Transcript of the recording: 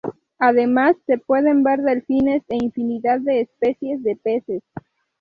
Además, se pueden ver delfines e infinidad de especies de peces.